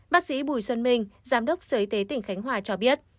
bác sĩ bùi xuân minh giám đốc sở y tế tỉnh khánh hòa cho biết